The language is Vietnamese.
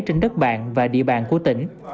trên đất bàn và địa bàn của tỉnh